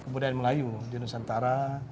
kebudayaan melayu di nusantara